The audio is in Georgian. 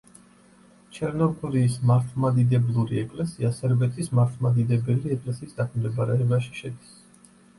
ჩერნოგორიის მართლმადიდებლური ეკლესია სერბეთის მართლმადიდებელი ეკლესიის დაქვემდებარებაში შედის.